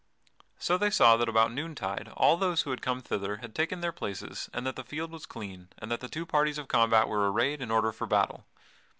So they saw that about noontide all those who had come thither had taken their places, and that the field was clean, and that the two parties of combat were arrayed in order for battle.